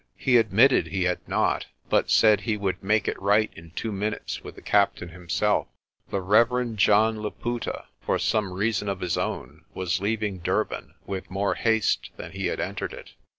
He admitted he had not, but said he would make it right in two minutes with the captain himself. The Rev. John Laputa, for some reason of his own, was leaving Dur ban with more haste than he had entered it.